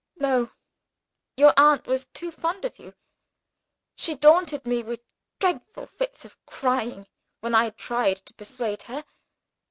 No! Your aunt was too fond of you. She daunted me with dreadful fits of crying, when I tried to persuade her.